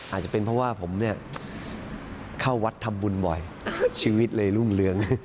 อาจจะเป็นเพราะว่าผมเนี่ยเข้าวัดทำบุญบ่อยชีวิตเลยรุ่งเรือง